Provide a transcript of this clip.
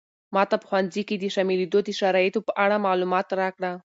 ماته په ښوونځي کې د شاملېدو د شرایطو په اړه معلومات راکړه.